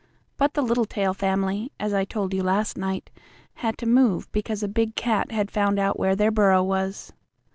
But the Littletail family, as I told you last night, had to move because a big cat had found out where their burrow was.